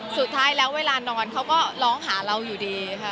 สุดท้ายแล้วเวลานอนเขาก็ร้องหาเราอยู่ดีค่ะ